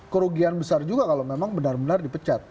kerugian besar juga kalau memang benar benar dipecat